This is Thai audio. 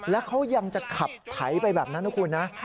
แล้วเขายังจะขับไถไปแบบนั้นนะคุณนะ